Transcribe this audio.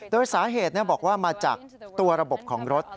โดยสาเหตุบอกว่ามาจากตัวระบบของรถ